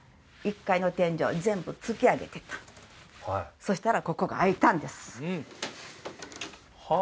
１階の天井全部突き上げていったそしたらここが開いたんですは